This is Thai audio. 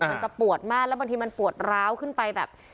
มันจะปวดมากแล้วบางทีมันปวดร้าวขึ้นไปแบบ